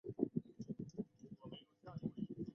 部分学生身上被安装了无线标签来监控他们的行动。